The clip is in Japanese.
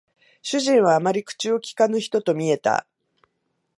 主人はあまり口を聞かぬ人と見えた